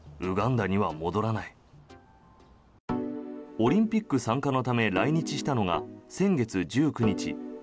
オリンピック参加のため来日したのが先月１９日。